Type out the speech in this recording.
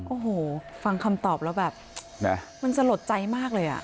โอ้โหฟังคำตอบแล้วแบบมันสลดใจมากเลยอ่ะ